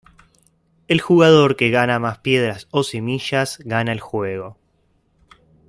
El jugador que gana más piedras o "semillas" gana el juego.